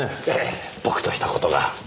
ええ僕とした事が。